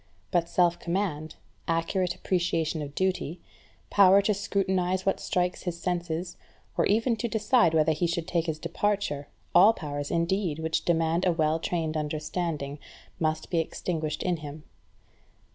But self command, accurate appreciation of duty, power to scrutinize what strikes his senses, or even to decide whether he should take his departure, all powers, indeed, which demand a well trained understanding, must be extinguished in him.